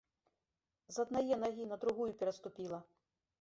З аднае нагі на другую пераступіла.